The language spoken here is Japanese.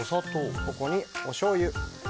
ここに、おしょうゆ。